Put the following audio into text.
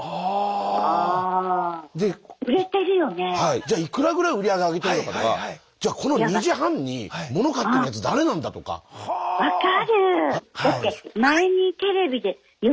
じゃあいくらぐらい売り上げ上げてるのかとかじゃこの２時半に物買ってるやつ誰なんだとか。分かる！